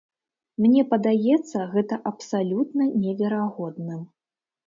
Мне падаецца гэта абсалютна неверагодным.